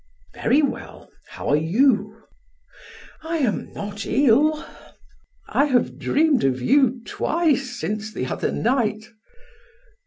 "Very well; how are you?" "I am not ill. I have dreamed of you twice since the other night."